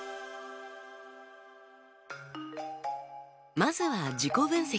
まずは自己分析。